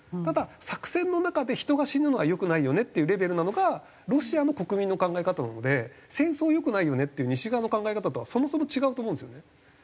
ただ作戦の中で人が死ぬのは良くないよねっていうレベルなのがロシアの国民の考え方なので戦争良くないよねっていう西側の考え方とはそもそも違うと思うんですよね。